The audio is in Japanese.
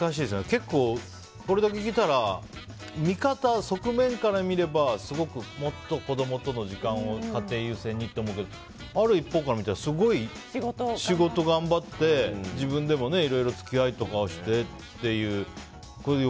結構、これだけ聞いたら側面から見たらすごく、もっと子供との時間を家庭優先にって思うけどある一方から見たらすごい仕事、頑張って自分でもいろいろ付き合いとかもしてっていう。